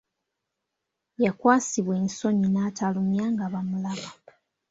Yakwasibwa ensonyi n’atamulumya nga bamulaba.